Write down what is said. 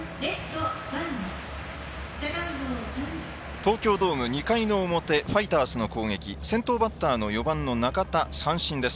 東京ドーム２回の表ファイターズの攻撃先頭バッターの４番中田三振です。